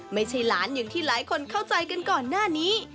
ไม่ใช่หลานอย่างที่หลายคนเข้าใจกันก่อนหน้านี้